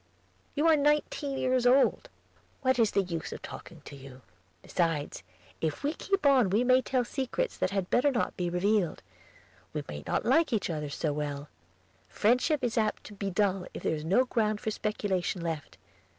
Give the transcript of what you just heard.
"You are nineteen years old?" "What is the use of talking to you? Besides, if we keep on we may tell secrets that had better not be revealed. We might not like each other so well; friendship is apt to dull if there is no ground for speculation left.